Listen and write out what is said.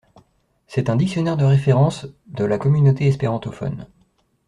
C'est un dictionnaire de référence de la communauté espérantophone.